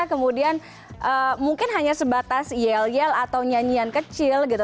kemudian mungkin hanya sebatas yel yel atau nyanyian kecil gitu